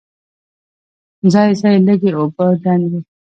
ځای ځای لږې اوبه ډنډ وې.